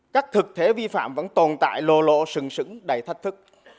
các thực thể vi phạm vẫn tồn tại lộ lộ sừng sững đầy thách thức